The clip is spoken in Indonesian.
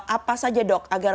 apa saja dok agar